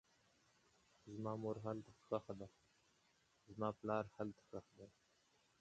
زما مور هلته ښخه ده, زما پلار هلته ښخ دی